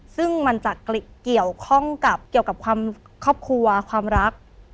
ซึ่งมันจะเกี่ยวกับความครอบครัวความรักจริง